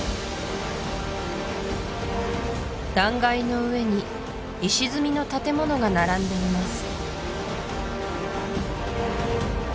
断崖の上に石積みの建物が並んでいます